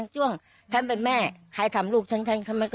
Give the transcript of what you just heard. ฉันเป็นแม่ใครทำลูกฉันฉันก็ไม่ยอม